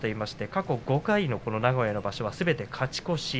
過去５回の名古屋の場所すべて勝ち越し。